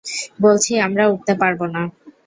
বলছি আমরা উড়তে পারব না।